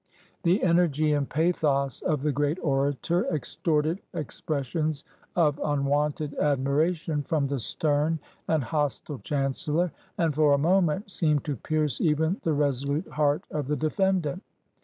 The energy and pathos of the great orator extorted expres sions of unwonted admiration from the stern and hostile Chancellor, and, for a moment, seemed to pierce even the resolute heart of the defendant.